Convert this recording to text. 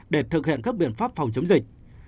để thực hiện các biện pháp phòng chống dịch